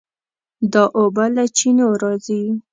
دا اوبه له چینو راځي.